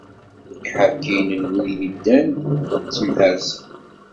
Iḥerkiyen d wid yeddan d temḥeṛṣa.